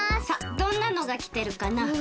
さあどんなのがきてるかな？